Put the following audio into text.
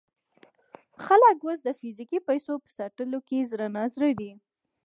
خلک اوس د فزیکي پیسو په ساتلو کې زړه نا زړه دي.